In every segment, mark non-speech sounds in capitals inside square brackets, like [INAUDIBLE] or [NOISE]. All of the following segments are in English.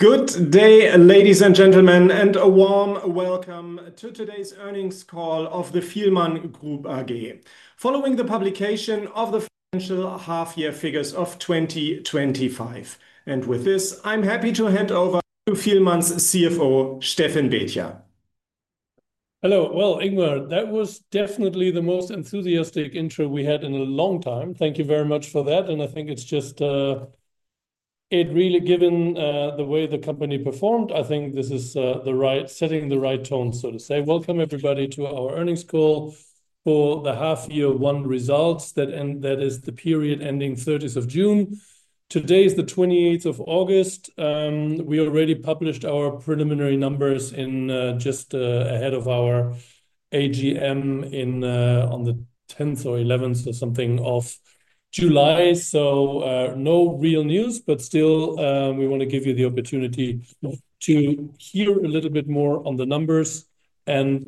Good day ladies and gentlemen, and a warm welcome to today's Earnings Call of the Fielmann Group AG following the publication of the Fnancial Half Year Figures of 2025. With this, I'm happy to hand over to Fielmann's CFO Steffen Baetjer. Hello. Ingmar, that was definitely the most enthusiastic intro we had in a long time. Thank you very much for that. I think it's just it really, given the way the company performed, I think this is the right setting, the right tone, so to say. Welcome everybody to our earnings call for the half year one results that end, that is the period ending 30th of June. Today is the 28th of August. We already published our preliminary numbers just ahead of our AGM on the 10th or 11th or something of July. No real news, but still we want to give you the opportunity to hear a little bit more on the numbers and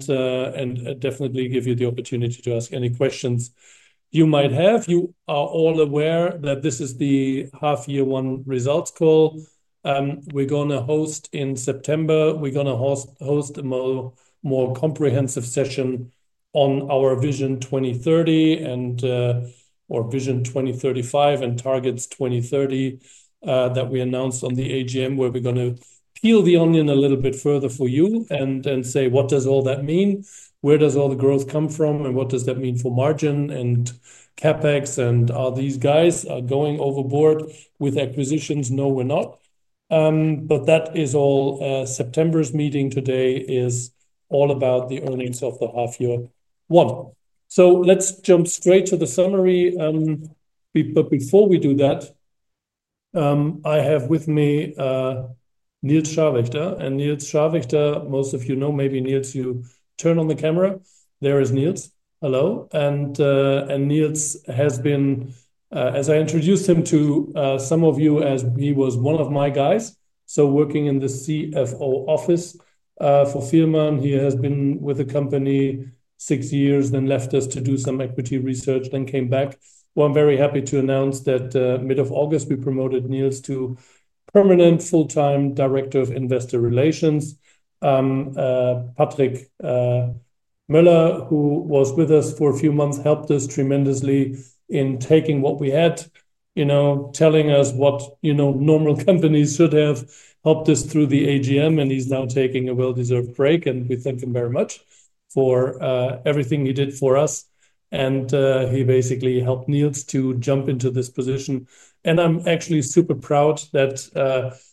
definitely give you the opportunity to ask any questions you might have. You are all aware that this is the half year one results call we're going to host. In September we're going to host a more comprehensive session on our Vision 2030 and Vision 2035 and targets 2030 that we announced at the AGM where we're going to peel the onion a little bit further for you and say what does all that mean, where does all the growth come from, and what does that mean for margin and CapEx? Are these guys going overboard with acquisitions? No, we're not. That is all September's meeting. Today is all about the earnings of the half year one. Let's jump straight to the summary. Before we do that, I have with me Niels Scharvichter. Most of you know, maybe Niels, you turn on the camera, there is Niels. Hello. Niels has been, as I introduced him to some of you, as he was one of my guys working in the CFO office for Fielmann. He has been with the company six years, then left us to do some equity research, then came back. I'm very happy to announce that mid of August we promoted Niels to permanent full time Director of Investor Relations. Patrick Muller, who was with us for a few months, helped us tremendously in taking what we had, telling us what normal companies should have, helped us through the AGM. He's now taking a well-deserved break and we thank him very much for everything he did for us and he basically helped Niels to jump into this position. I'm actually super proud that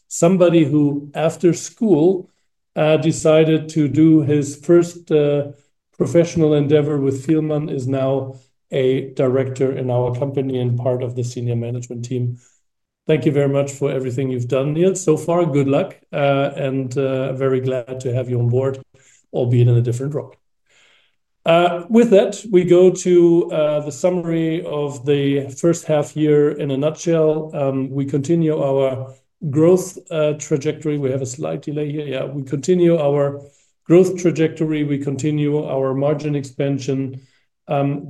somebody who after school decided to do his first professional endeavor with Fielmann is now a Director in our company and part of the senior management team. Thank you very much for everything you've done, Niels, so far. Good luck and very glad to have you on board, albeit in a different role. With that, we go to the summary of the first half year in a nutshell. We continue our growth trajectory. We have a slight delay here. Yeah, we continue our growth trajectory. We continue our margin expansion.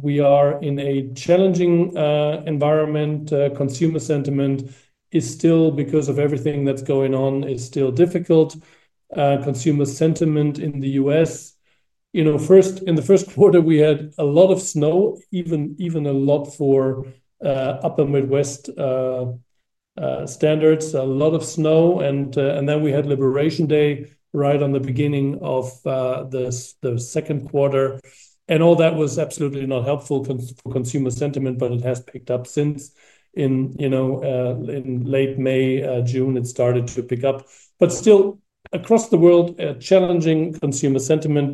We are in a challenging environment. Consumer sentiment is still, because of everything that's going on, is still difficult consumer sentiment in the U.S. In the first quarter we had a lot of snow, even a lot for upper Midwest standards, a lot of snow. Then we had Liberation Day right at the beginning of the second quarter. All that was absolutely not helpful for consumer sentiment. It has picked up since; in late May, June it started to pick up. Still, across the world, challenging consumer sentiment.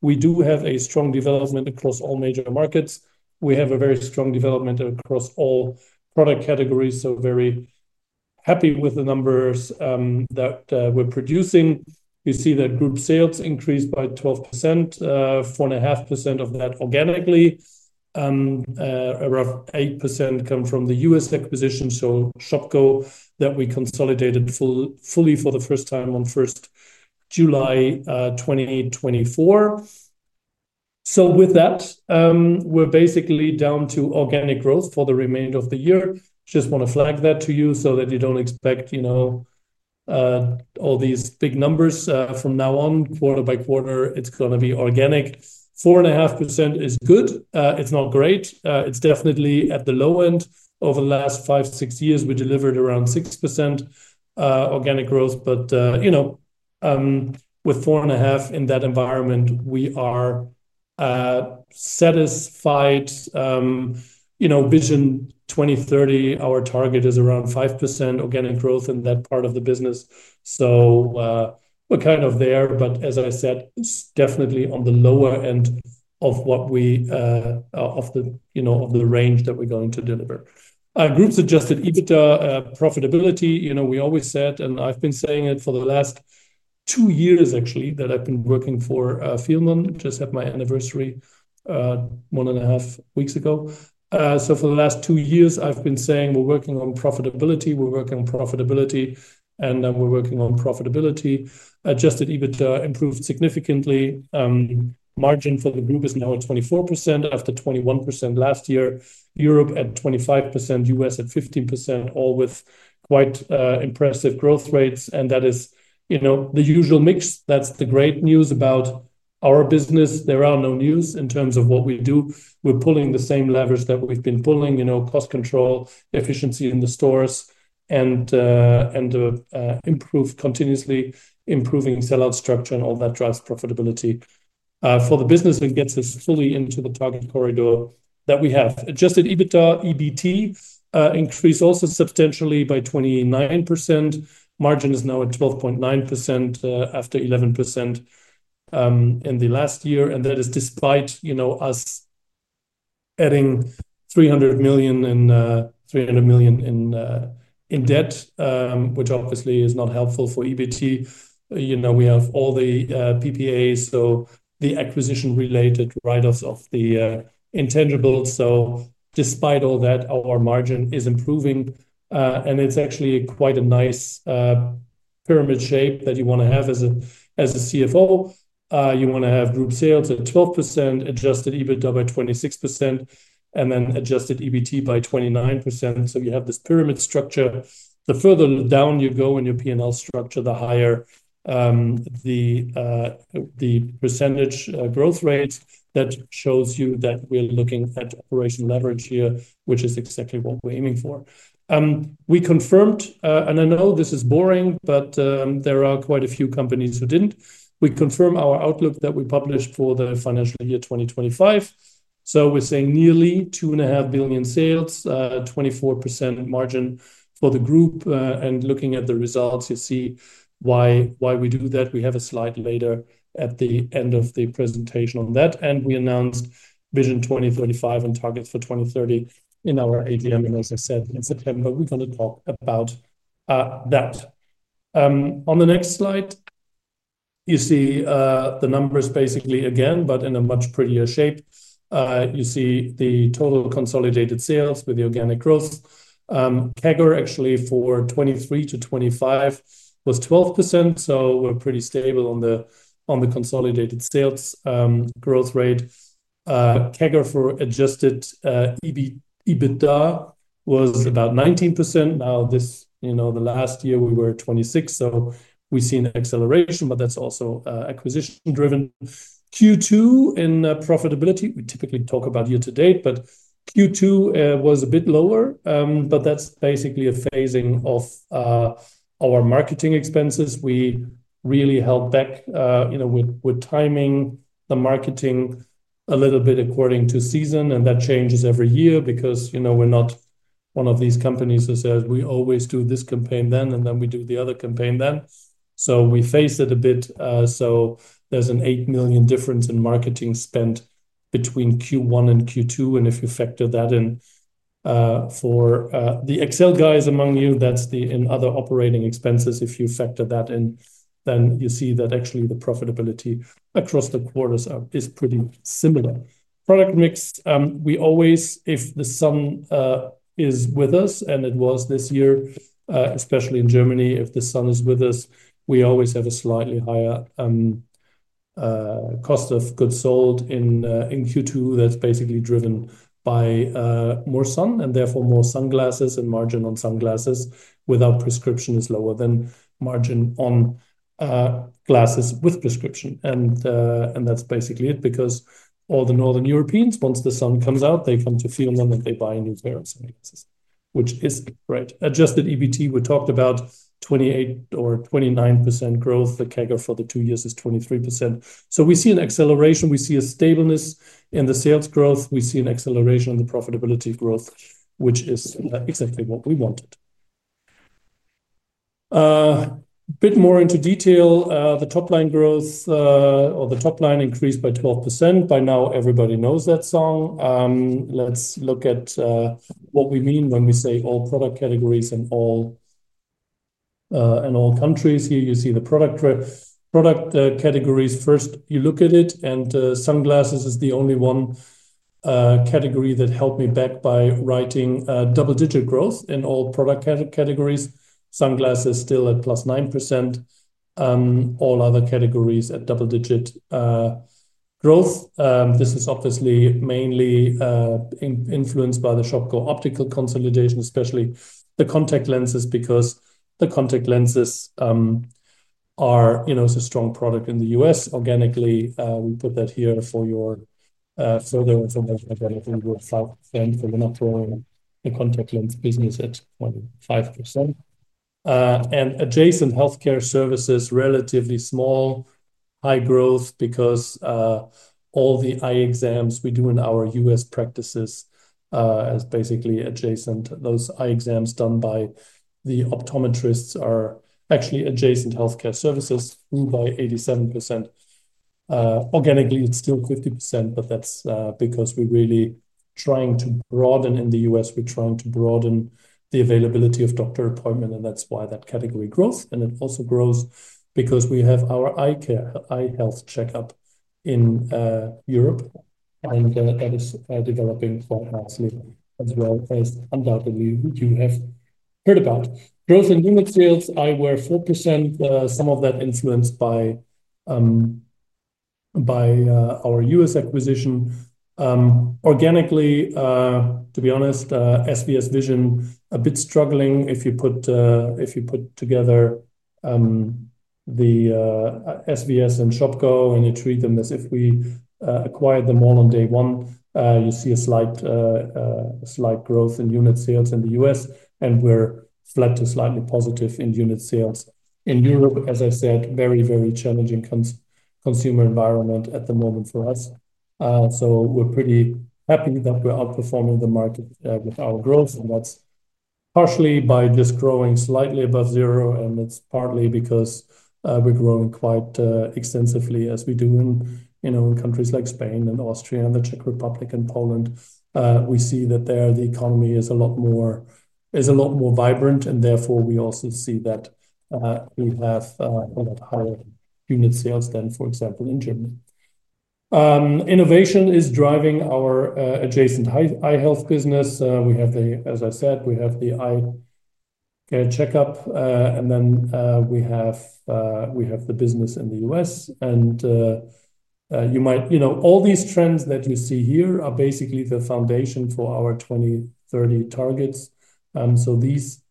We do have a strong development across all major markets. We have a very strong development across all product categories. Very happy with the numbers that we're producing. You see that group sales increased by 12%. 4.5% of that organically, roughly 8% come from the U.S. acquisition. Shopko Optical that we consolidated fully for the first time on July 1st, 2024. With that, we're basically down to organic growth for the remainder of the year. Just want to flag that to you so that you don't expect all these big numbers from now on, quarter by quarter, it's going to be organic. 4.5% is good. It's not great. It's definitely at the low end. Over the last five, six years, we delivered around 6% organic growth. With 4.5% in that environment, we are satisfied. Vision 2030, our target is around 5% organic growth in that part of the business. We're kind of there. It's definitely on the lower end of the range that we're going to deliver. Group's adjusted EBITDA profitability, we always said, and I've been saying it for the last two years actually that I've been working for Fielmann, just had my anniversary one and a half weeks ago. For the last two years I've been saying we're working on profitability, we're working on profitability and we're working on profitability. Adjusted EBITDA improved significantly. Margin for the group is now at 24% after 21% last year, Europe at 25%, U.S. at 15%, all with quite impressive growth rates. That is the usual mix. That's the great news about our business. There are no news in terms of what we do. We're pulling the same levers that we've been pulling. You know, cost control, efficiency in the stores and improve, continuously improving sellout structure and all that drives profitability for the business. It gets us fully into the target corridor that we have. Adjusted EBITDA, EBT increased also substantially by 29%. Margin is now at 12.9% after 11% in the last year. That is despite, you know, us adding 300 million and 300 million in debt, which obviously is not helpful for EBT. You know we have all the PPAs, so the acquisition related write-offs of the intangible. Despite all that, our margin is improving and it's actually quite a nice pyramid shape that you want to have as a CFO. You want to have group sales at 12%, adjusted EBITDA by 26% and then adjusted EBT by 29%. You have this pyramid structure. The further down you go in your P&L structure, the higher the percentage growth rate. That shows you that we're looking at operation leverage here, which is exactly what we're aiming for. We confirmed, and I know this is boring, but there are quite a few companies who didn't. We confirm our outlook that we published for the financial year 2025. We're saying nearly 2.5 billion sales, 24% margin for the group. Looking at the results, you see why we do that. We have a slide later at the end of the presentation on that and we announced Vision 2035 on targets for 2030 in our AGM. As I said, in September, we're going to talk about that. On the next slide, you see the numbers basically again but in a much prettier shape. You see the total consolidated sales with the organic growth CAGR actually for 2023-2025 was 12%. We're pretty stable on the consolidated sales growth rate. CAGR for adjusted EBITDA was about 19%. Now this, you know, the last year we were 26%. We see an acceleration but that's also acquisition driven. Q2 in profitability, we typically talk about year to date, but Q2 was a bit lower. That's basically a phasing of our marketing expenses. We really held back, you know, with timing the marketing a little bit according to season. That changes every year because, you know, we're not one of these companies that says we always do this campaign then and then we do the other campaign then. We phase it a bit. There's an 8 million difference in marketing spent between Q1 and Q2. If you factor that in, for the Excel guys among you, that's in other operating expenses. If you factor that in, then you see that actually the profitability across the quarters is pretty similar. Product mix, we always, if the sun is with us, and it was this year, especially in Germany, if the sun is with us, we always have a slightly higher cost of goods sold in Q2. That's basically driven by more sun and therefore more sunglasses, and margin on sunglasses, margin without prescription is lower than margin on glasses with prescription. That's basically it. Because all the northern Europeans, once the sun comes out, they come to Fielmann and they buy new pair of, which is right, adjusted EBITDA. We talked about 28% or 29% growth. The CAGR for the two years is 23%. We see an acceleration, we see a stableness in the sales growth, we see an acceleration in the profitability growth, which is exactly what we wanted. Bit more into detail. The top line growth, or the top line, increased by 12%. By now, everybody knows that song. Let's look at what we mean when we say all product categories and all countries. Here you see the product categories. First, you look at it, and sunglasses is the only one category that held me back by writing double-digit growth in all product categories. Sunglasses still at plus 9%. All other categories at double-digit growth. This is obviously mainly influenced by the Shopko Optical consolidation, especially the contact lenses. Because the contact lenses are, you know, it's a strong product in the U.S. organically. We put that here for you, so there was a measure of anything worth 5% for monitoring a contact lens business at 5%, and adjacent healthcare services relatively small, high growth because all the eye exams we do in our U.S. practices as basically adjacent. Those eye exams done by the optometrists are actually adjacent healthcare services, grew by 87% organically. It's still 50%, but that's because we're really trying to broaden in the U.S., we're trying to broaden the availability of doctor appointment, and that's why that category grows. It also grows because we have our eye care, eye health checkup in Europe, eye care that is developing quite nicely as well. First, undoubtedly, which you have heard about, growth in lens sales, I were 4%. Some of that influenced by our U.S. acquisition. Organically, to be honest, SVS Vision a bit struggling. If you put together the SVS and Shopko, and you treat them as if we acquired them all on day one, you see a slight, slight growth in unit sales in the U.S. and we're flat to slightly positive in unit sales in Europe. As I said, very, very challenging consumer environment at the moment for us. We're pretty happy that we're outperforming the market with our growth partially by this growing slightly above zero. It's partly because we're growing quite extensively as we do in countries like Spain and Austria and the Czech Republic and Poland. We see that there the economy is a lot more vibrant and therefore we also see that we have a lot higher unit sales than for example in Germany. Innovation is driving our adjacent eye health business. We have the, as I said, we have the eye checkup and then we have the business in the U.S. and you might, you know, all these trends that you see here are basically the foundation for our 2030 targets. These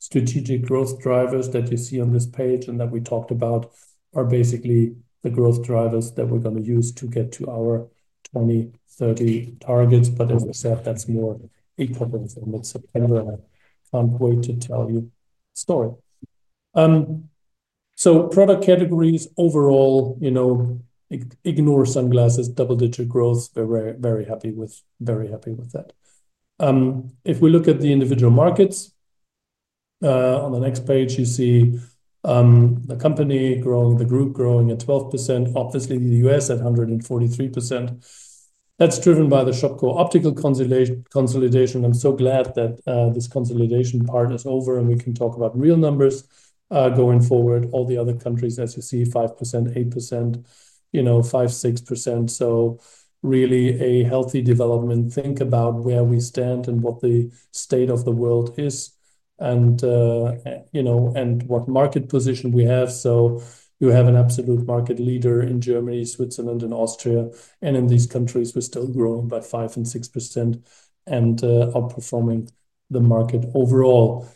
strategic growth drivers that you see on this page and that we talked about are basically the growth drivers that we're going to use to get to our 2030 targets. As I said, that's more in context. I'm going to tell you a story. Product categories overall, you know, ignore sunglasses double digit growth. We're very happy with, very happy with that. If we look at the individual markets on the next page you see the company growing, the group growing at 12%. Obviously in the U.S. at 143%. That's driven by the Shopko Optical consolidation. I'm so glad that this consolidation part is over and we can talk about real numbers going forward. All the other countries as you see 5%, 8%, you know, 5%, 6%. Really a healthy development. Think about where we stand and what the state of the world is and what market position we have. You have an absolute market leader in Germany, Switzerland and Austria. In these countries we're still growing by 5% and 6% and outperforming the market overall.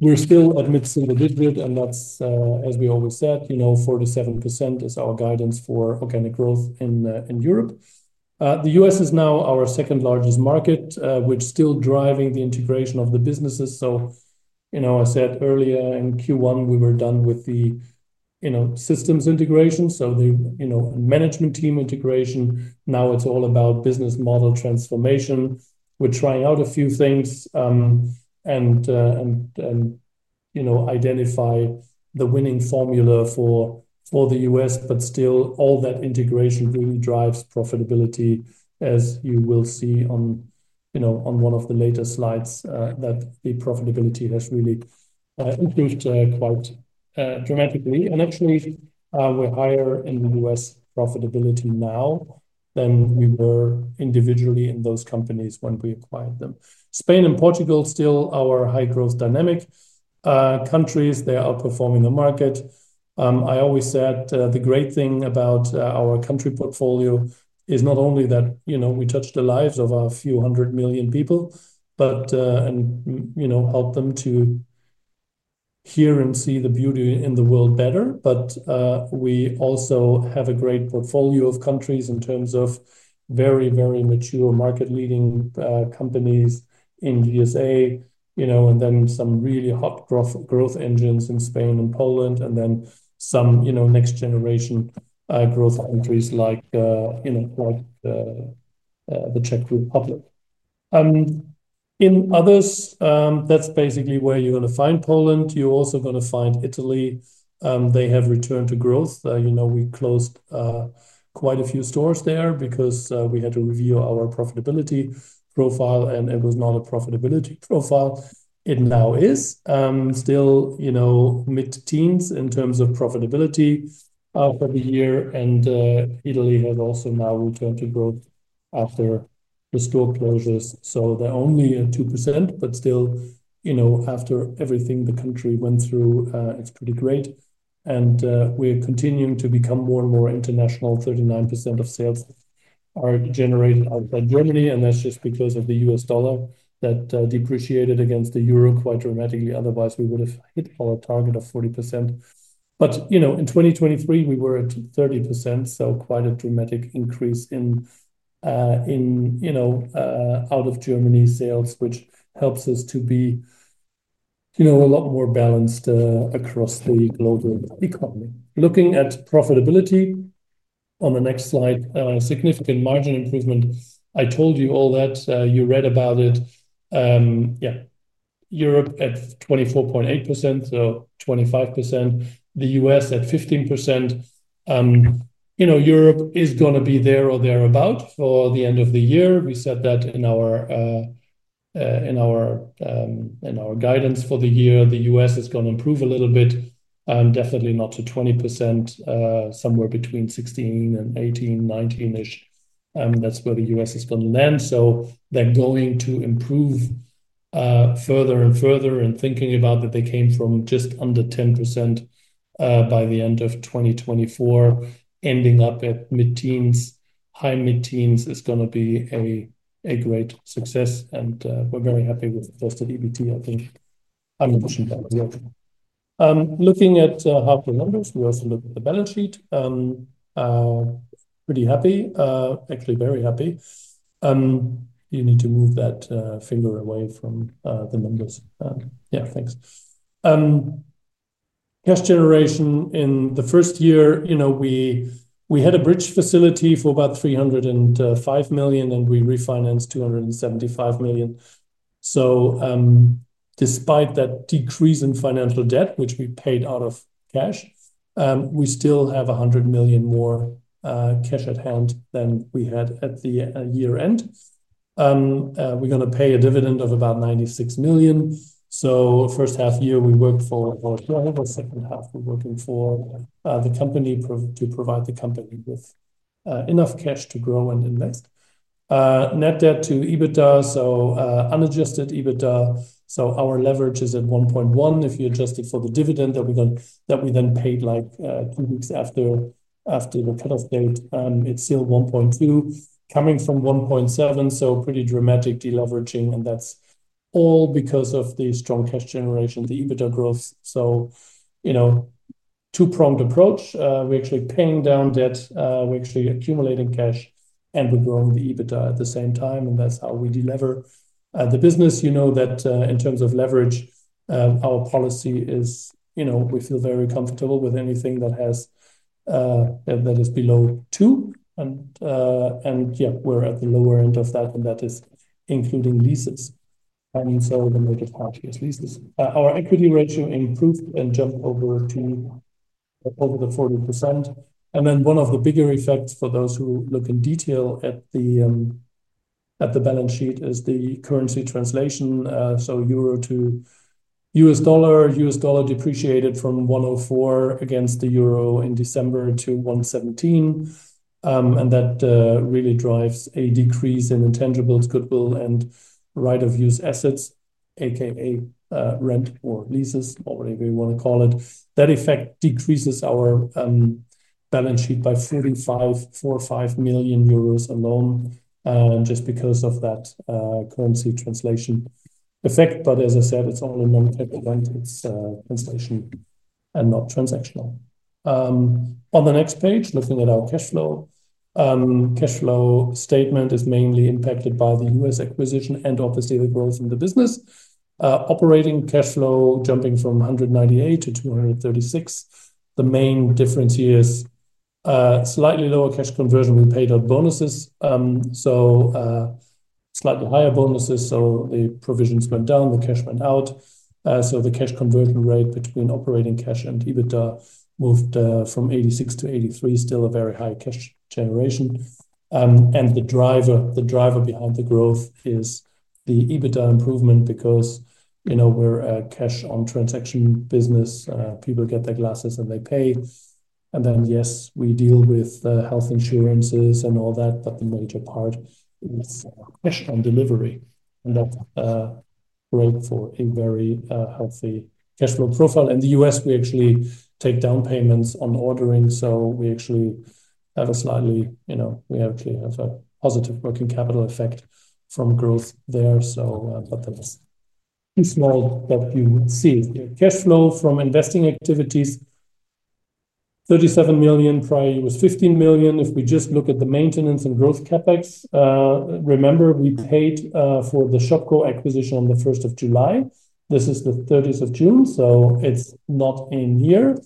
We're still at mid single digit and that's as we always said, you know, 4-7% is our guidance for organic growth in Europe. The U.S. is now our second largest market which is still driving the integration of the businesses. I said earlier in Q1 we were done with the systems integration. The management team, integration, management, now it's all about business model transformation. We're trying out a few things and identify the winning formula for all the U.S. but still all that integration really drives profitability. As you will see on one of the later slides, the profitability has really improved quite dramatically. Actually, we're higher in the U.S. profitability now than we were individually in those companies when we acquired them. Spain and Portugal, still our high growth dynamic countries, they're outperforming the market. I always said the great thing about our country portfolio is not only that we touch the lives of a few hundred million people and help them to hear and see the beauty in the world better, but we also have a great portfolio of countries in terms of very, very mature market leading companies in GSA, you know, and then some really hot growth engines in Spain and Poland and then some, you know, next generation growth countries like, you know, the Czech Republic and others. That's basically where you're going to find Poland. You're also going to find Italy. They have returned to growth. We closed quite a few stores there because we had to review our profitability profile and it was not a profitability profile. It now is still mid teens in terms of profitability for the year. Italy has also now returned to broadcast after the store closures. They're only 2% but still, you know, after everything the country went through, it's pretty great. We're continuing to become more and more international. 39% of sales are generated outside Germany and that's just because of the U.S. dollar that depreciated against the euro quite dramatically. Otherwise, we would have hit our target of 40%. In 2023 we were at 30%. Quite a dramatic increase in, you know, out of Germany sales which helps us to be, you know, a lot more balanced across the global economy. Looking at profitability on the next slide, significant margin improvement. I told you all that. You read about it. Europe at 24.8%. So 25%, the U.S. at 15%. Europe is going to be there or thereabout for the end of the year. We said that in our guidance for the year. The U.S. is going to improve a little bit. Definitely not to 20%. Somewhere between 16% and 18%, 19% ish. That's where the U.S. is going to land. They're going to improve further and further. Thinking about that, they came from just under 10% by the end of 2024, ending up at mid teens high. Mid teens is going to be a great success and we're very happy with first of EBITDA. I think I'm the machine gun looking at half the numbers. We also look at the balance sheet. Pretty happy actually. Very happy. You need to move that finger away from the numbers. Yeah, thanks. Cash generation in the first year, you know, we had a bridge facility for about 305 million and we refinanced 275 million. Despite that decrease in financial debt which we paid out of cash, we still have 100 million more cash at hand than we had at the year end. We're going to pay a dividend of about 96 million. First half year we worked for volatile, second half we're working for the company to provide the company with enough cash to grow and invest. Net debt to EBITDA, so unadjusted EBITDA, our leverage is at 1.1. If you adjust for the dividend that we then paid like two weeks after the cutoff date, it's still 1.2 coming from 1.7. Pretty dramatic deleveraging. That's all because of the strong cash generation, the EBITDA growth. Two pronged approach. We're actually paying down debt, we're actually accumulating cash and we're growing the EBITDA at the same time. That's how we deliver the business. You know that in terms of leverage our policy is, you know, we feel very comfortable with anything that is below 2. We're at the lower end of that and that is including leases. I mean, so the major part is leases. Our equity ratio improved and jumped over to over the 40%. One of the bigger effects for those who look in detail at the balance sheet is the currency translation. Euro to U.S. dollar, U.S. dollar depreciated from 1.04 against the euro in December to 1.17. That really drives a decrease in intangibles, goodwill and right of use assets, aka rent or leases or whatever you want to call it. That effect decreases our balance sheet by 45 million euros alone just because of that currency translation effect. As I said, it's all a non-tax advantage translation and not transactional. On the next page, looking at our cash flow, cash flow statement is mainly impacted by the U.S. acquisition and obviously the growth in the business. Operating cash flow jumping from 198 million-236 million. The main difference here is slightly lower cash conversion with paid out bonuses. Slightly higher bonuses, so the provisions went down, the cash went out. The cash conversion rate between operating cash and EBITDA moved from 86-83, still a very high cash generation. The driver behind the growth is the EBITDA improvement because we're a cash on transaction business. People get their glasses and they pay. Yes, we deal with health insurances and all that, but the major part is with cash on delivery and that's great for a very healthy cash flow profile. In the U.S. we actually take down payments on ordering, so we actually have a slightly, you know, we actually have a positive working capital effect from growth there. That was too small, but you would see cash flow from investing activities. 37 million probably was 15 million. If we just look at the maintenance and growth CapEx. Remember we paid for the Shopko Optical acquisition on the 1st of July, this is the 30th of June, so it's not in here.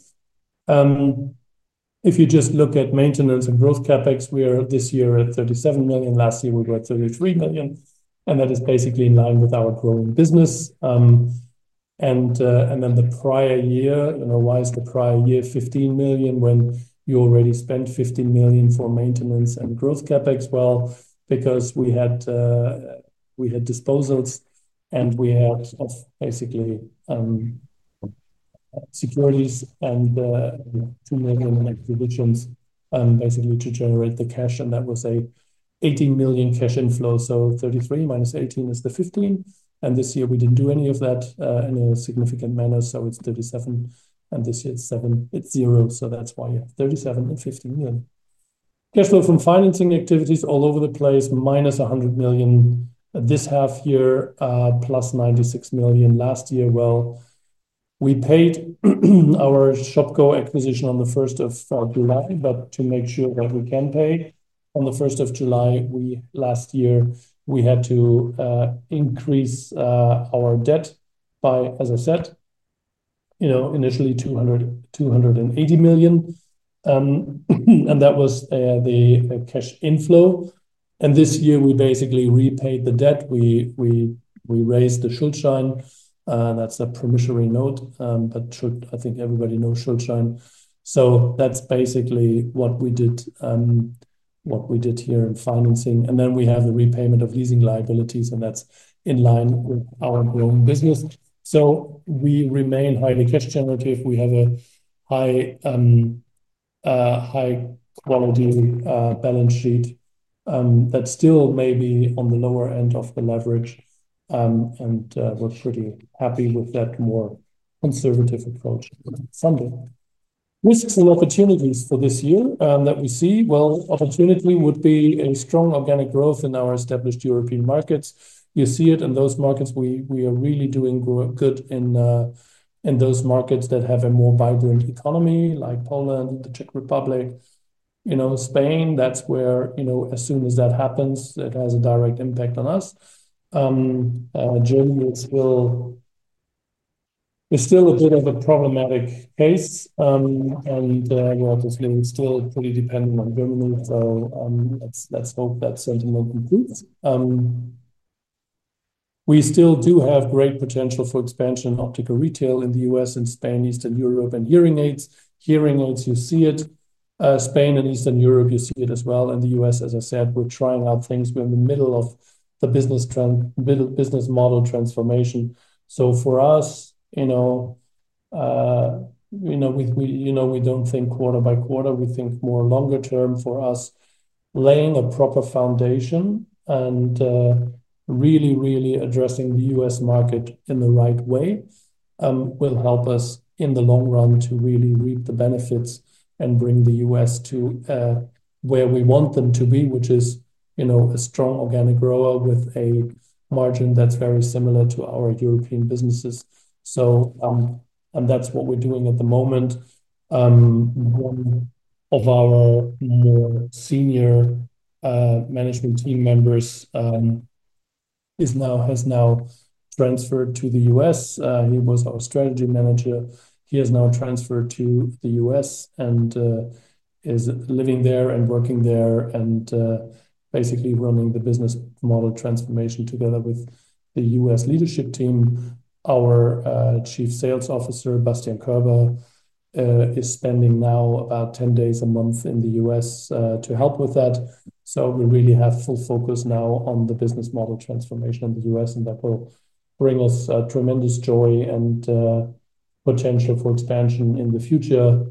If you just look at maintenance and growth CapEx, we are this year at 37 million. Last year we were at 33 million, and that is basically in line with our growing business. The prior year, you know, why is the prior year 15 million when you already spent 15 million for maintenance and growth CapEx? Because we had disposals and we have basically securities and provisions and basically to generate the cash. That was an 18 million cash inflow. 33 million minus 18 million is the 15 million and this year we didn't do any of that in a significant manner. It's 37 million and this year it's 7 million, it's 0. That's why you have 37 million and 15 million. Cash flow from financing activities all over the place. -100 million this half year, +96 million last year. We paid our Shopko Optical acquisition on the 1st of July, but to make sure that we can pay on the 1st of July last year we had to increase our debt by, as I said, you know, initially 200 million, 280 million. That was the cash inflow. This year we basically repaid the debt. We raised the Schuldschein, that's a promissory note, but I think everybody knows Schuldschein. That's basically what we did here in financing. Then we have the repayment of leasing liabilities and that's in line with our growing business. We remain highly cash generative. We have a high, high quality balance sheet that still may be on the lower end of the leverage. We're pretty happy with that more conservative approach. Funding risks and opportunities for this year that we see, opportunity would be a strong organic growth in our established European markets. You see it in those markets, we are really doing good in those markets that have a more vibrant economy, like Poland, the Czech Republic, Spain. That's where, as soon as that happens, it has a direct impact on us. Germany, it's still a bit of a problematic case and still fully dependent on Germany. Let's hope that sentiment concludes. We still do have great potential for expansion. Optical retail in the U.S., in Spain, Eastern Europe, and hearing aids. Hearing aids, you see it. Spain and Eastern Europe, you see it as well. In the U.S., as I said, we're trying out things. We're in the middle of the business model transformation. For us, we don't think quarter by quarter, we think more longer term. For us, laying a proper foundation and really, really addressing the U.S. market in the right way will help us in the long run to really reap the benefits and bring the U.S. to where we want them to be, which is a strong organic grower with a margin that's very similar to our European businesses. That's what we're doing at the moment. One of our more senior management team members has now transferred to the U.S. He was our strategy manager. He has now transferred to the U.S. and is living there and working there and basically running the business model transformation together with the U.S. leadership team. Our Chief Sales Officer, Bastian Koeber, is spending now about 10 days a month in the U.S. to help with that. We really have full focus now on the business model transformation in the U.S. and that will bring us tremendous joy and potential for expansion in the future.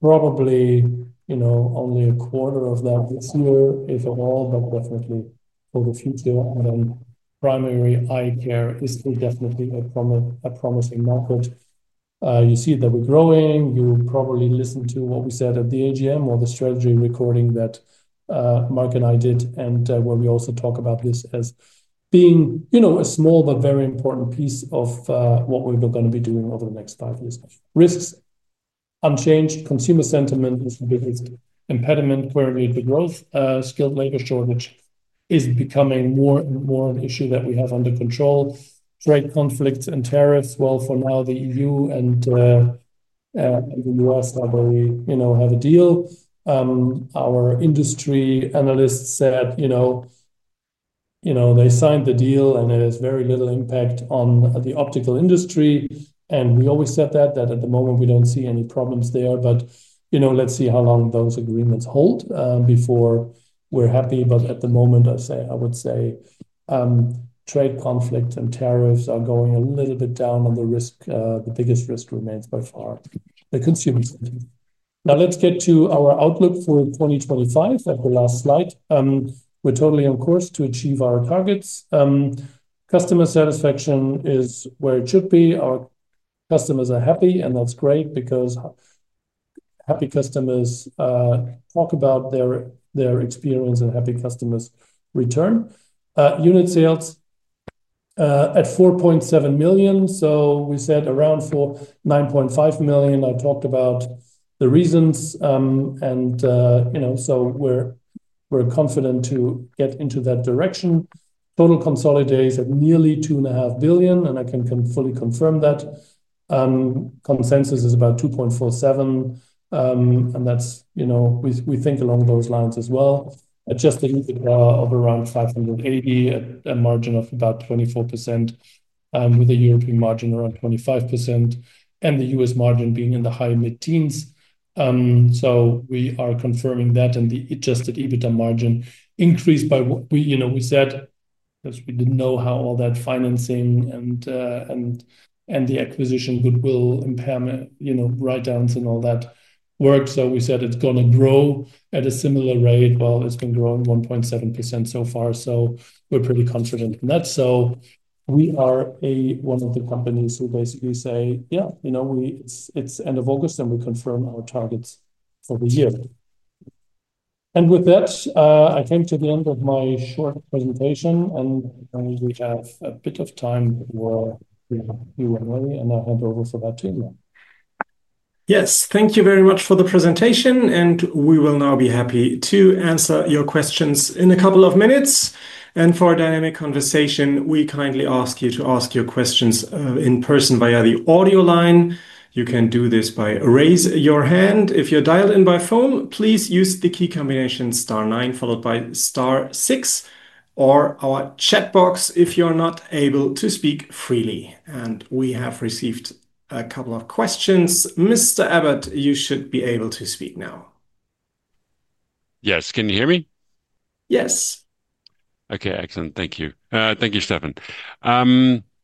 Probably only a quarter of that this year is around, but definitely for the future. Primary eye care is still definitely a promising market. You see that we're growing. You probably listened to what we said at the AGM or the strategy recording that Mark and I did and where we also talk about this as being a small but very important piece of what we're going to be doing over the next five years. Risks unchanged, consumer sentiment is impediment where the growth, skilled labor shortage is becoming more and more an issue that we have under control. Trade conflicts and tariffs, for now, the EU and you know, have a deal. Our industry analysts said, you know, they signed the deal and it has very little impact on the optical industry. We always said that at the moment we don't see any problems there. Let's see how long those agreements hold before we're happy. At the moment I would say trade conflict and tariffs are going a little bit down on the risk. The biggest risk remains by far the consumer sentiment. Now, let's get to our outlook for 2025. At the last slide, we're totally on course to achieve our targets. Customer satisfaction is where it should be. Our target customers are happy and that's great because happy customers talk about their experience and happy customers return. Unit sales at 4.7 million. We said around 9.5 million. I talked about the reasons and we're confident to get into that direction. Total consolidated at nearly 2.5 billion. I can fully confirm that consensus is about 2.47 billion and we think along those lines as well. Adjusted EBITDA of around 580 million at a margin of about 24% with a European margin around 25% and the U.S. margin being in the high mid-teens. We are confirming that. The adjusted EBITDA margin is increased by what we said, that we didn't know how all that financing and the acquisition, goodwill impairment, write downs and all that work. We said it's going to grow at a similar rate while it's been growing 1.7% so far. We're pretty confident in that. We are one of the companies who basically say, yeah, it's end of August and we confirm our targets for the year. With that, I came to the end of my short presentation and we have a bit of time for you and me and I hand over. [CROSSTALK] Yes, thank you very much for the presentation. We will now be happy to answer your questions in a couple of minutes. For a dynamic conversation, we kindly ask you to ask your questions in person via the audio line. You can do this by raising your hand if you're dialed in by phone. Please use the key combination nine followed by six, or our chat box if you're not able to speak freely. We have received a couple of questions. Mr. Abbott, you should be able to speak now. Yes, can you hear me? Yes. Okay, excellent. Thank you. Thank you. Steffen.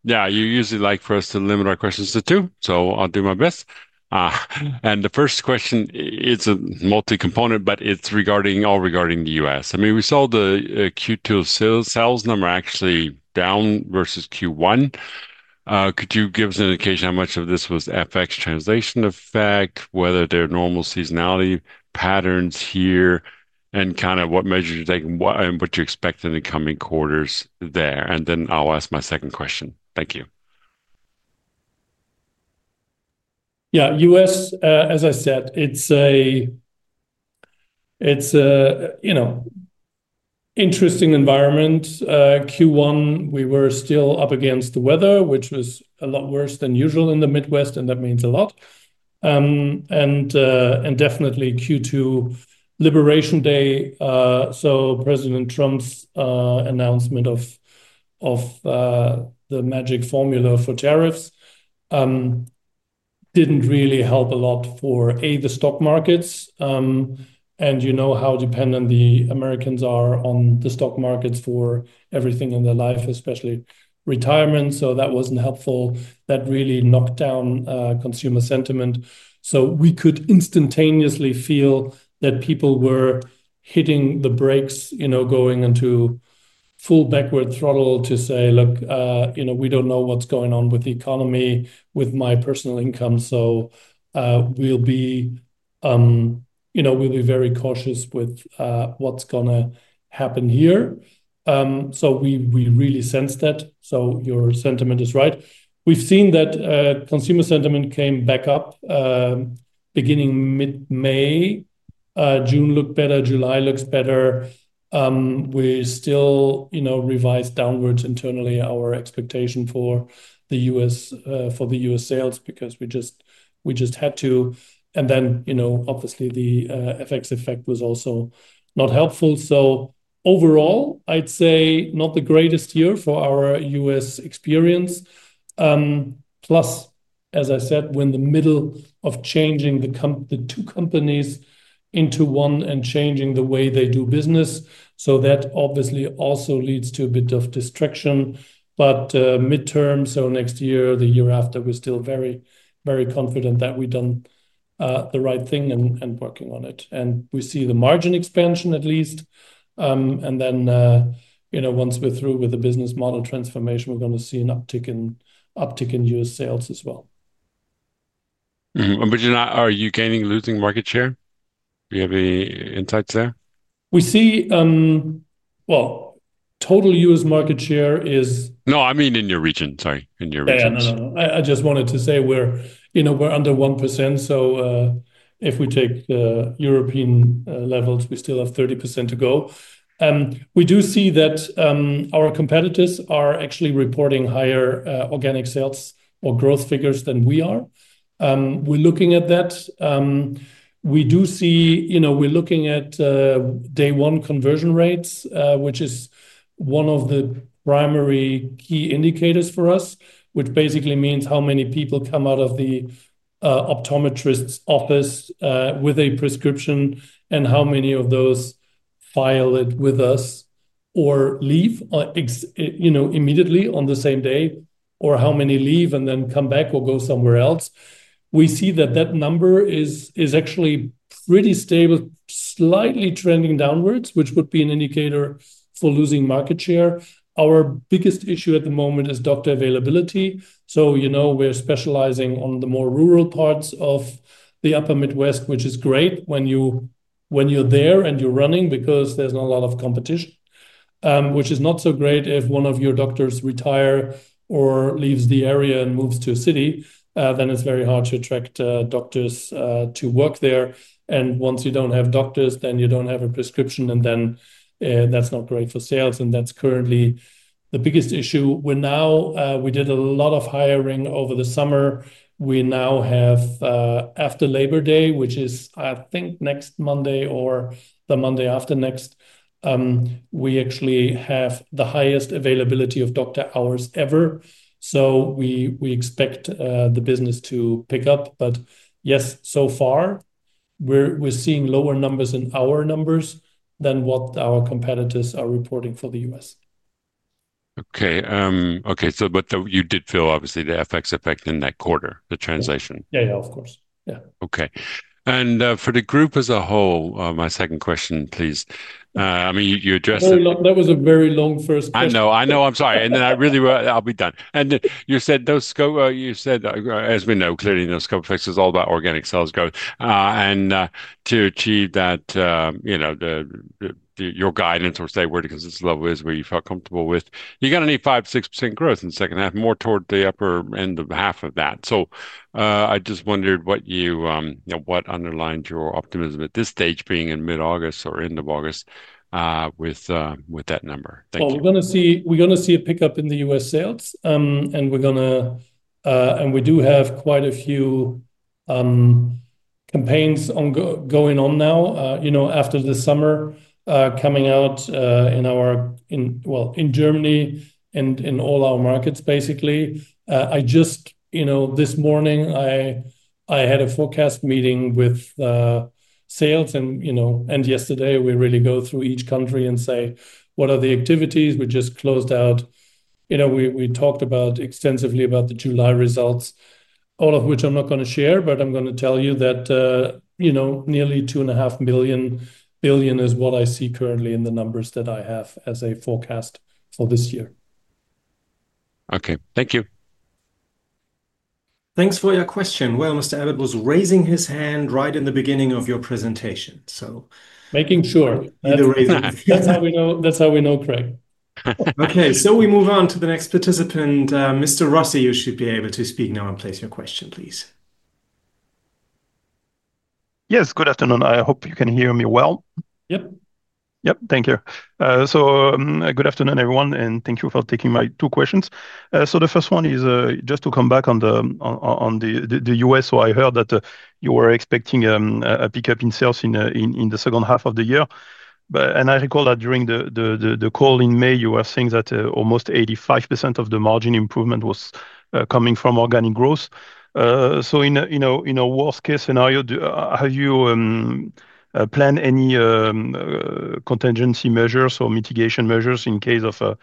Yeah, you usually like for us to limit our questions to two, so I'll do my best. The first question, it's a multi component, but it's regarding all regarding the U.S. I mean, we saw the Q2 sales number actually down versus Q1. Could you give us an indication how much of this was FX translation effect, whether there are normal seasonality patterns here, and kind of what measures you're taking and what you expect in the coming quarters there. Then I'll ask my second question. Thank you. As I said, it's an interesting environment. Q1, we were still up against the weather, which was a lot worse than usual in the Midwest, and that means a lot. Q2, Liberation Day. President Trump's announcement of the magic formula for tariffs didn't really help a lot for the stock markets, and you know how dependent the Americans are on the stock markets for everything in their life, especially retirement. That wasn't helpful. That really knocked down consumer sentiment. We could instantaneously feel that people were hitting the brakes, going into full backward throttle to say, look, we don't know what's going on with the economy, with my personal income, so we'll be very cautious with what's going to happen here. We really sense that. Your sentiment is right. We've seen that consumer sentiment came back up beginning mid May. June looked better, July looks better. We still revised downwards internally our expectation for the U.S. sales, because we just had to. Obviously, the FX effect was also not helpful. Overall, I'd say not the greatest year for our U.S. experience. Plus, as I said, we're in the middle of changing the two companies into one and changing the way they do business. That obviously also leads to a bit of distraction. Midterm, next year, the year after, we're still very, very confident that we've done the right thing and working on it. We see the margin expansion at least, and once we're through with the business model transformation, we're going to see an uptick in U.S. sales as well. Are you gaining or losing market share? Do you have any insights there? We see. Total U.S. market share is. No, I mean in your region. Sorry, in your region. I just wanted to say we're under 1%, so if we take European levels, we still have 30% to go. We do see that our competitors are actually reporting higher organic sales or growth figures than we are. We're looking at that. We do see we're looking at day one conversion rates, which is one of the primary key indicators for us, which basically means how many people come out of the optometrist's office with a prescription and how many of those file it with us or leave immediately on the same day or how many leave and then come back or go somewhere else. We see that number is actually pretty stable, slightly trending downwards, which would be an indicator for losing market share. Our biggest issue at the moment is doctor availability. We're specializing on the more rural parts of the upper Midwest, which is great when you're there and you're running because there's not a lot of competition, which is not so great if one of your doctors retires or leaves the area and moves to a city. Then it's very hard to attract doctors to work there. Once you don't have doctors, then you don't have a prescription and that's not great for sales. That's currently the biggest issue. We did a lot of hiring over the summer. We now have after Labor Day, which is I think next Monday or the Monday after next, we actually have the highest availability of doctor hours ever. We expect the business to pick up. Yes, so far we're seeing lower numbers in our numbers than what our competitors are reporting for the U.S. Okay. You did feel obviously the FX effect in that quarter, the translation. Yeah, of course. Yeah. Okay. For the group as a whole, my second question, please. I mean, you address. That was a very long first. I'm sorry. I'll be done. You said, as we know, clearly no scope effects, it's all about organic sales growth. To achieve that, your guidance or where the consistent level is, where you felt comfortable, you got any 5, 6% growth in the second half, more toward the upper end of half of that. I just wondered what you, you know, what under optimism at this stage being in mid August or end of August with that number. We're going to see a pickup in U.S. sales, and we do have quite a few campaigns ongoing now after the summer coming out in Germany and in all our markets, basically. This morning I had a forecast meeting with sales, and yesterday we really go through each country and say what are the activities. We just closed out. We talked extensively about the July results, all of which I'm not going to share, but I'm going to tell you that nearly 2.5 billion is what I see currently in the numbers that I have as a forecast for this year. Okay, thank you. Thanks for your question. Mr. Abbott was raising his hand right in the beginning of your presentation. Making sure that's how we know Craig. Okay, we move on to the next participant. Mr. Rossi, you should be able to. Speak now and place your question, please. Yes. Good afternoon. I hope you can hear me well. Yep, yep. Thank you. Good afternoon everyone and thank you for taking my two questions. The first one is to come back on the U.S. I heard that you were expecting a pickup in sales in the second half of the year. I recall that during the call in May, you were saying that almost 85% of the margin improvement was coming from organic growth. In a worst case scenario, have you planned any contingency measures or mitigation measures in case of a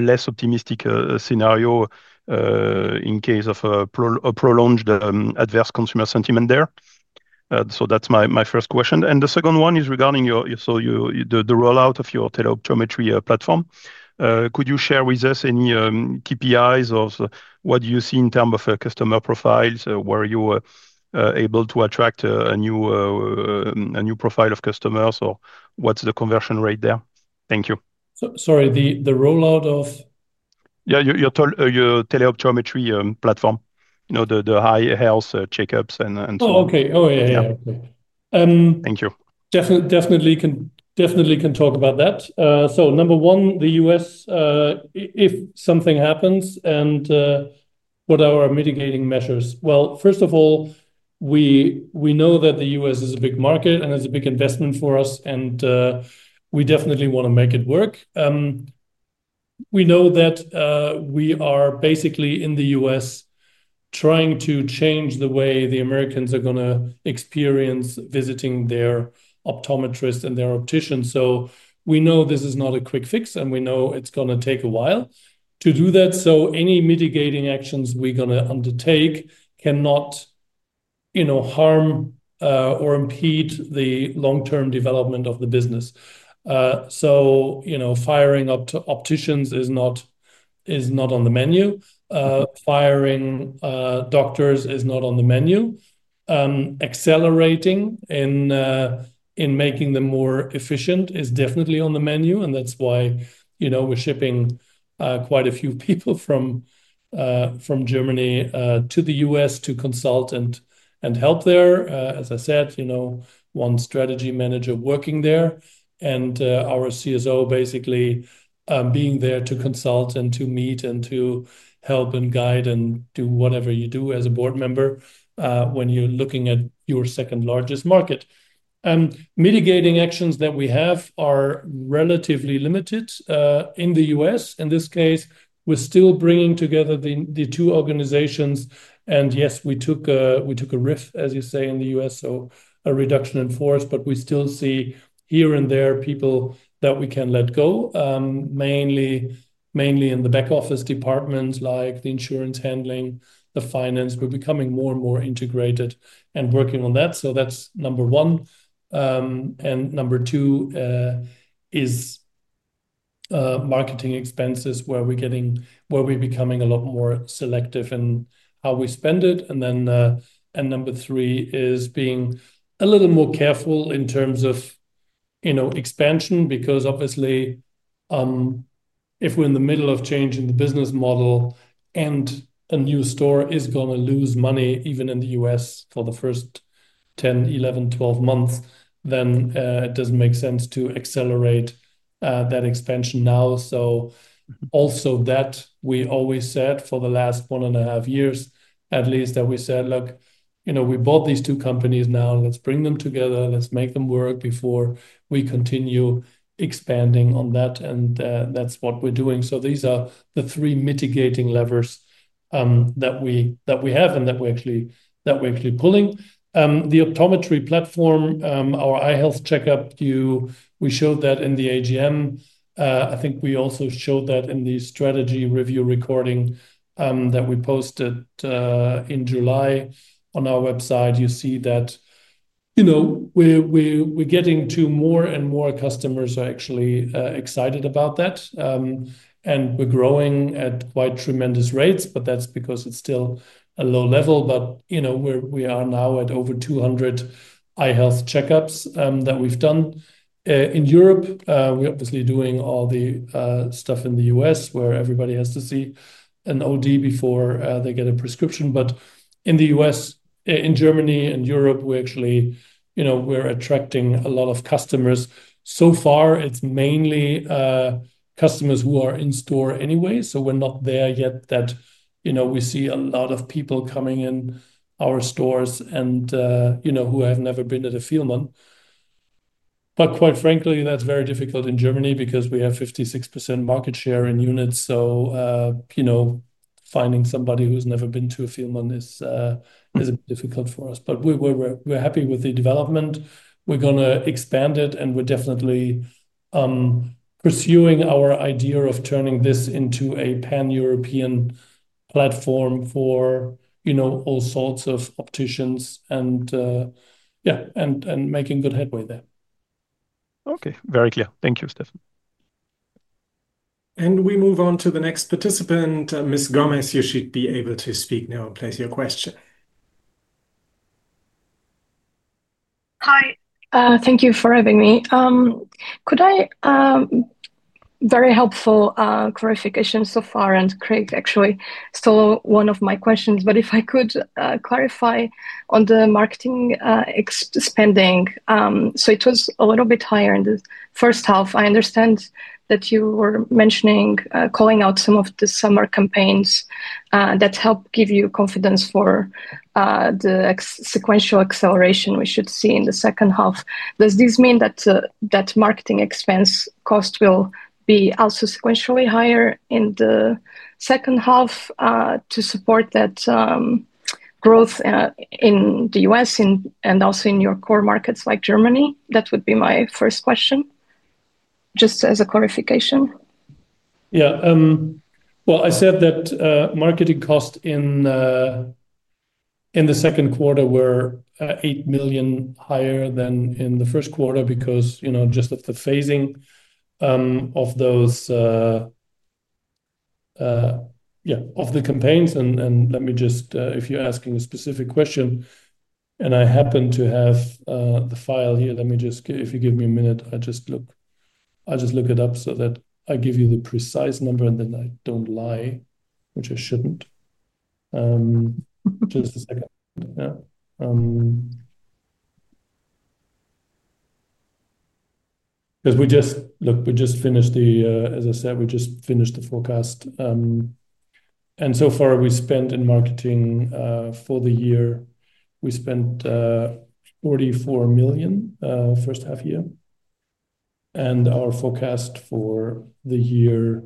less optimistic scenario, in case of a prolonged adverse consumer sentiment there? That's my first question. The second one is regarding the rollout of your teleoptometry platform. Could you share with us any KPIs of what you see in terms of customer profiles? Were you able to attract a new profile of customers or what's the conversion rate there? Thank you. Sorry, the rollout of. Yeah, your teleoptometry platform, you know, the high health checkups and so on. Okay. Thank you. Definitely can talk about that. Number one, the U.S., if something happens and what are our mitigating measures? First of all, we know that the U.S. is a big market and it's a big investment for us and we definitely want to make it work. We know that we are basically in the U.S. trying to change the way the Americans are going to experience visiting their optometrist and their opticians. We know this is not a quick fix and we know it's going to take a while to do that. Any mitigating actions we're going to undertake cannot harm or impede the long-term development of the business. Firing opticians is not on the menu. Firing doctors is not on the menu. Accelerating in making them more efficient is definitely on the menu. That's why we're shipping quite a few people from Germany to the U.S. to consult and help there. As I said, one strategy manager working there and our CSO basically being there to consult and to meet and to help and guide and do whatever you do as a board member when you're looking at your second largest market. Mitigating actions that we have are relatively limited in the U.S. in this case. We're still bringing together the two organizations. Yes, we took a rift, as you say in the U.S., so a reduction in force. We still see here and there people that we can let go, mainly in the back office department, like the insurance, handling the finance. We're becoming more and more integrated and working on that. That's number one. Number two is marketing expenses, where we're becoming a lot more selective in how we spend it. Number three is being a little more careful in terms of expansion because obviously if we're in the middle of changing the business model and a new store is going to lose money even in the U.S. for the first time, 10, 11, 12 months, then it doesn't make sense to accelerate that expansion now. Also, we always said for the last one and a half years at least that we said, look, we bought these two companies, now let's bring them together, let's make them work before we continue expanding on that. That's what we're doing. These are the three mitigating levers that we have and that we're actually pulling. The optometry platform, our eye health checkup, we showed that in the AGM. I think we also showed that in the strategy review recording that we posted in July on our website. You see that we're getting to more and more customers who are actually excited about that, and we're growing at quite tremendous rates. That's because it's still a low level. We are now at over 200 eye health checkups that we've done in Europe. We're obviously doing all the stuff in the U.S. where everybody has to see an O.D. before they get a prescription. In the U.S., in Germany, and Europe, we're attracting a lot of customers so far. It's mainly customers who are in store anyway. We're not there yet that we see a lot of people coming in our stores who have never been at a Fielmann. Quite frankly, that's very difficult in Germany because we have 56% market share in units. Finding somebody who's never been to a Fielmann is a bit difficult for us. We are happy with the development. We're going to expand it, and we're definitely pursuing our idea of turning this into a pan-European platform for all sorts of opticians and making good headway there. Okay, very clear. Thank you, Steffen. We move on to the next participant. Ms. Gomez, you should be able to speak now and place your question. Hi, thank you for having me. Very helpful clarification so far and Craig actually stole one of my questions, but if I could clarify on the marketing spending. It was a little bit higher in the first half. I understand that you were mentioning calling out some of the summer campaigns that help give you confidence for the sequential acceleration we should see in the second half. Does this mean that marketing expense cost will be also sequentially higher in the second half to support that growth in the U.S. and also in your core markets like Germany? That would be my first question, just as a clarification. Yeah, I said that marketing cost in the second quarter were 8 million higher than in the first quarter because of the phasing of those campaigns. If you're asking a specific question and I happen to have the file here, if you give me a minute, I'll just look it up so that I give you the precise number and then I don't lie, which I shouldn't. We just finished the forecast and so far we spent in marketing for the year 44 million first half year and our forecast for the year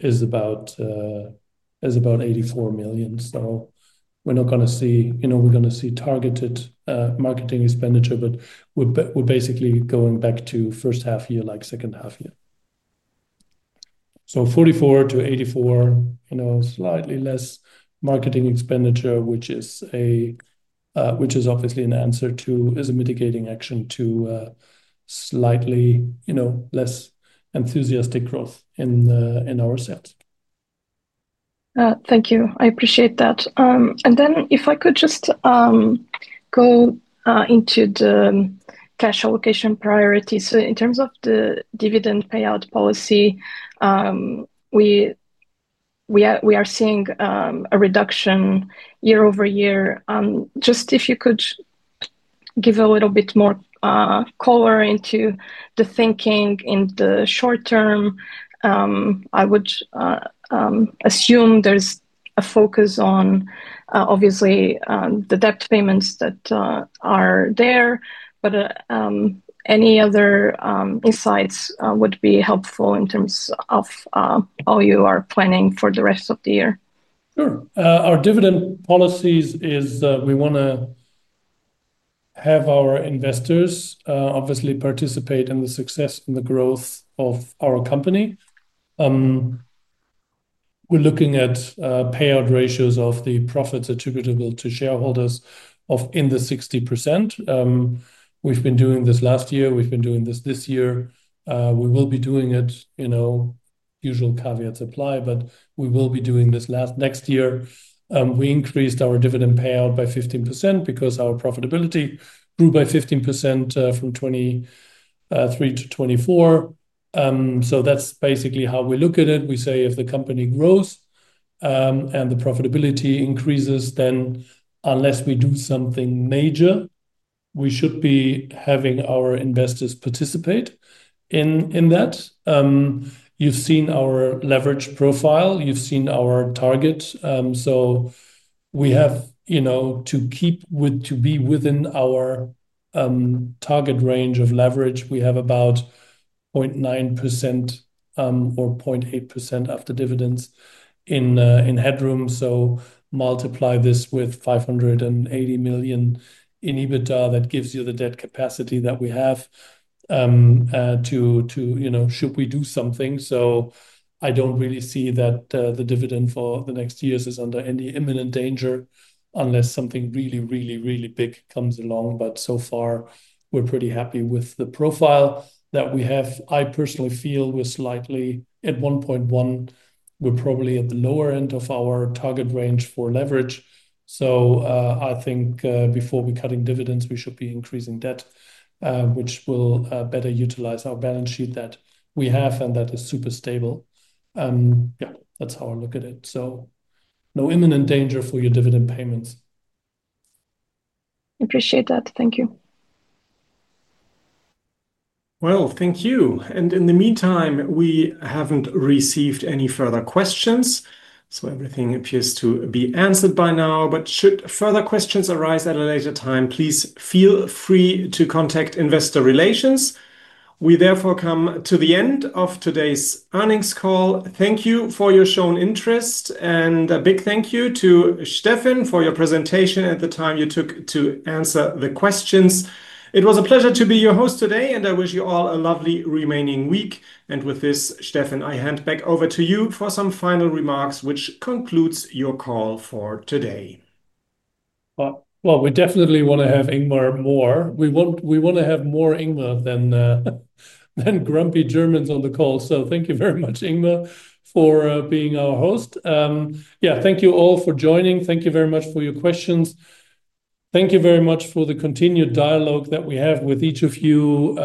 is about 84 million. We're not going to see, you know, we're going to see targeted marketing expenditure but we're basically going back to first half year, like second half year. So 44 million-84 million, slightly less marketing expenditure, which is obviously a mitigating action to slightly less enthusiastic growth in our sets. Thank you, I appreciate that. If I could just go into the cash allocation priorities in terms of the dividend payout policy, we are seeing a reduction year-over-year. If you could give a little bit more color into the thinking in the short term, I would assume there's a focus on obviously the debt payments that are there. Any other insights would be helpful in terms of how you are planning for the rest of the year. Sure. Our dividend policy is we want to have our investors obviously participate in the success and the growth of our company. We're looking at payout ratios of the profits attributable to shareholders of in the 60%. We've been doing this last year. We've been doing this this year. We will be doing it. Usual caveats apply. We will be doing this next year. We increased our dividend payout by 15% because our profitability grew by 15% from 2023 to 2024. That's basically how we look at it. We say if the company grows and the profitability increases, then unless we do something major, we should be having our investors participate in that. You've seen our leverage profile, you've seen our target. We have, you know, to keep with, to be within our target range of leverage. We have about 0.9 or 0.8 after dividends in headroom. Multiply this with 580 million in EBITDA. That gives you the debt capacity that we have should we do something. I don't really see that the dividend for the next years is under any imminent danger unless something really, really, really big comes along. We're pretty happy with the profile that we have. I personally feel we're slightly at 1.1. We're probably at the lower end of our target range for leverage. I think before we're cutting dividends, we should be increasing debt, which will better utilize our balance sheet that we have. That is super stable. That's how I look at it. No imminent danger for your dividend payments. Appreciate that. Thank you. Thank you. In the meantime, we haven't received any further questions, so everything appears to be answered by now. Should further questions arise at a later time, please feel free to contact Investor Relations. We therefore come to the end of today's earnings call. Thank you for your shown interest and a big thank you to Steffen for your presentation and the time you took to answer the questions. It was a pleasure to be your host today, and I wish you all a lovely remaining week. With this, Steffen, I hand back over to you for some final remarks, which concludes your call for today. We definitely want to have Ingmar more. We want to have more Ingmar than grumpy Germans on the call. Thank you very much, Ingmar, for being our host. Thank you all for joining. Thank you very much for your questions. Thank you very much for the continued dialogue that we have with each of you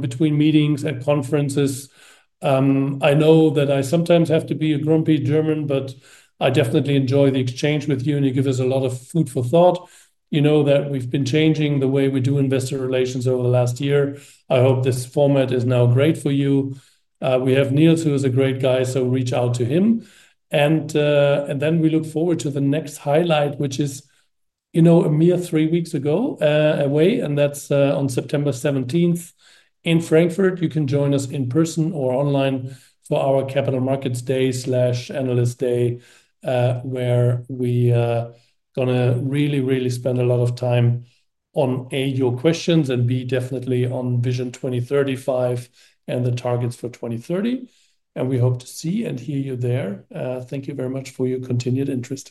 between meetings and conferences. I know that I sometimes have to be a grumpy German, but I definitely enjoy the exchange with you and you give us a lot of food for thought. You know that we've been changing the way we do investor relations over the last year. I hope this format is now great for you. We have Niels, who is a great guy, so reach out to him. We look forward to the next highlight, which is a mere three weeks away. That's on September 17th in Frankfurt. You can join us in person or online for our Capital Markets Day analyst day where we are really, really going to spend a lot of time on A, your questions and B, definitely on Vision 2035 and the targets for 2030. We hope to see and hear you there. Thank you very much for your continued interest.